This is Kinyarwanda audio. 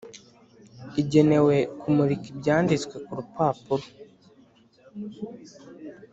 igenewe kumurika ibyanditswe ku rupapuro.